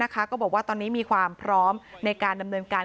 ก็บอกว่าตอนนี้มีความพร้อมในการดำเนินการ